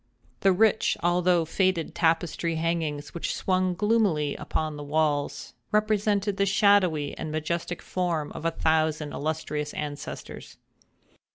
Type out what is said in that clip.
The rich although faded tapestry hangings which swung gloomily upon the walls, represented the shadowy and majestic forms of a thousand illustrious ancestors.